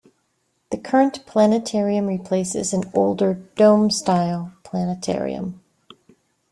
The current planetarium replaces an older, dome-style planetarium.